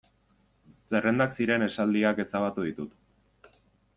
Zerrendak ziren esaldiak ezabatu ditut.